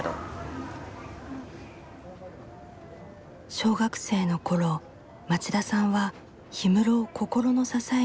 小学生の頃町田さんは氷室を心の支えに生きていた。